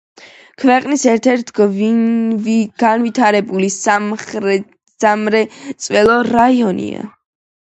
ქვეყნის ერთ-ერთი განვითარებული სამრეწველო რაიონია.